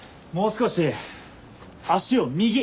もう少し足を右。